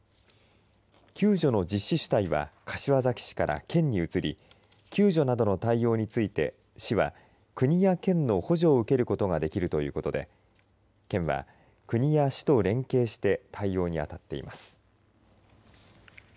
救助の実施主体は柏崎市から県に移り救助などの対応について市は国や県の補助を受けることができるということで県は、国や市と連携して対応に当たっています。